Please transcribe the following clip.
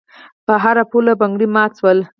په هر پوله بنګړي مات شول.